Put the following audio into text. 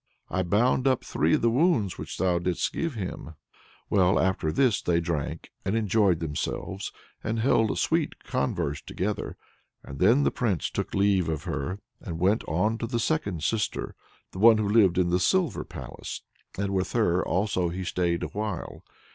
I bound up three of the wounds which thou didst give him." Well, after this they drank, and enjoyed themselves, and held sweet converse together, and then the prince took leave of her, and went on to the second sister, the one who lived in the silver palace, and with her also he stayed awhile.